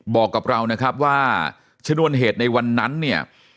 บอกกับเรานะครับว่าชนวนเหตุในวันนั้นเนี่ย